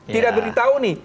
tidak beritahu nih